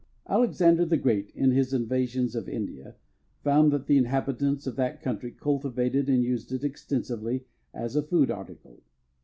Alexander the Great, in his invasions of India, found that the inhabitants of that country cultivated and used it extensively as a food article.